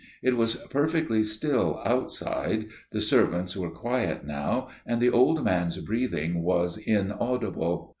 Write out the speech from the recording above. It was perfectly still outside, the servants were quiet now, and the old man's breathing was inaudible.